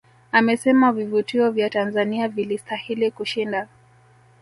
Amesema vivutio vya Tanzania vilistahili kushinda